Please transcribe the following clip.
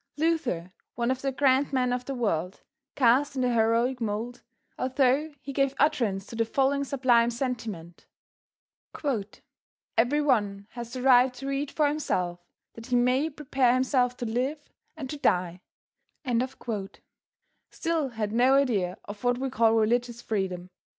Luther, one of the grand men of the world, cast in the heroic mould, although he gave utterance to the following sublime sentiment: "Every one has the right to read for himself that he may prepare himself to live and to die," still had no idea of what we call religious freedom.